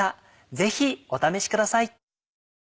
ぜひお試しください。